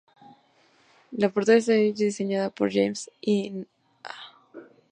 La portada está diseñada por James Iha.